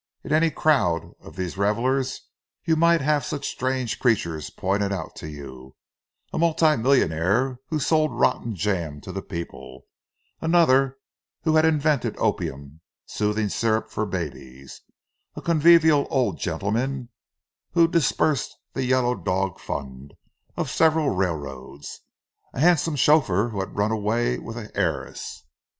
In any crowd of these revellers you might have such strange creatures pointed out to you; a multimillionaire who sold rotten jam to the people; another who had invented opium soothing syrup for babies; a convivial old gentleman who disbursed the "yellow dog fund" of several railroads; a handsome chauffeur who had run away with an heiress.